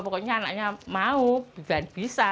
pokoknya anaknya mau bisa